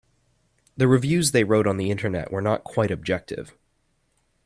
The reviews they wrote on the Internet were not quite objective.